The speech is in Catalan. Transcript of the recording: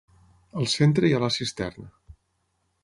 Al centre hi ha la cisterna.